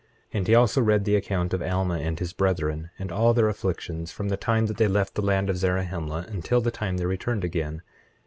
25:6 And he also read the account of Alma and his brethren, and all their afflictions, from the time they left the land of Zarahemla until the time they returned again.